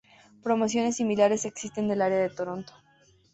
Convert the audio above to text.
Promociones similares existe en el área de Toronto.